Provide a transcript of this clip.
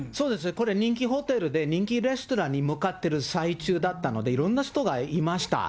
これ人気ホテルで、人気レストランに向かってる最中だったので、いろんな人がいました。